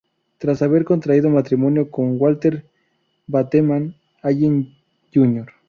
Tras haber contraído matrimonio con Walter Bateman Allen Jr.